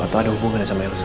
atau ada hubungannya sama elsa